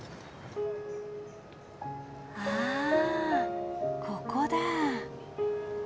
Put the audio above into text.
わここだ。